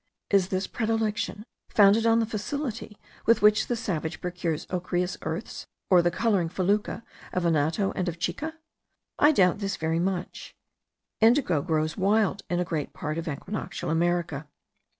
Is this predilection founded on the facility with which the savage procures ochreous earths, or the colouring fecula of anato and of chica? I doubt this much. Indigo grows wild in a great part of equinoctial America.